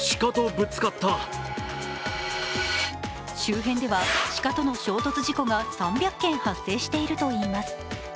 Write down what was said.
周辺では鹿との衝突事故が３００件発生しているといいます。